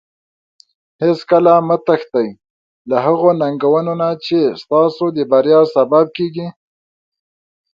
هیڅکله مه تښتي له هغو ننګونو نه چې ستاسو د بریا سبب کیږي.